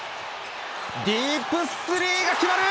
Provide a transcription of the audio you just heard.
ディープスリーが決まる。